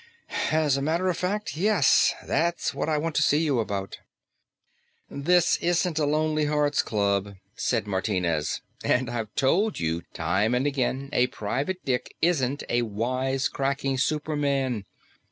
"As a matter of fact, yes; that's what I want to see you about." "This isn't a lonely hearts club," said Martinez. "And I've told you time and again a private dick isn't a wisecracking superman.